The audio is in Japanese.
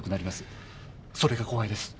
それが怖いです。